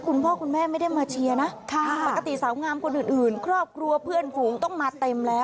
คุณพ่อคุณแม่ไม่ได้มาเชียร์นะปกติสาวงามคนอื่นครอบครัวเพื่อนฝูงต้องมาเต็มแล้ว